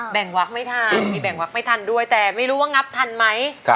วักไม่ทันมีแบ่งวักไม่ทันด้วยแต่ไม่รู้ว่างับทันไหม